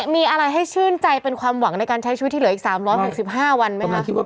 มีอะไรให้ชื่นใจเป็นความหวังในการใช้ชีวิตที่เหลืออีก๓๖๕วันไหมคะ